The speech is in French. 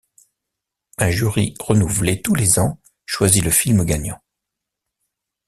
Un jury renouvelé tous les ans choisit le film gagnant.